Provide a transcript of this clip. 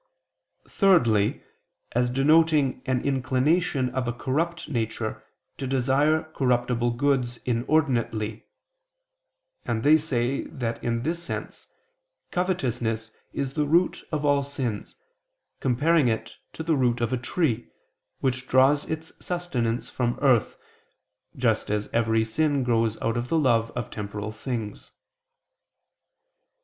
Thirdly, as denoting an inclination of a corrupt nature to desire corruptible goods inordinately: and they say that in this sense covetousness is the root of all sins, comparing it to the root of a tree, which draws its sustenance from earth, just as every sin grows out of the love of temporal things.